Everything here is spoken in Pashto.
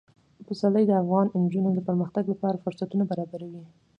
پسرلی د افغان نجونو د پرمختګ لپاره فرصتونه برابروي.